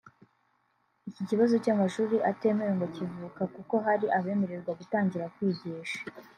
Iki kibazo cy’amashuri atemewe ngo kivuka kuko hari abemererwa gutangira kwigisha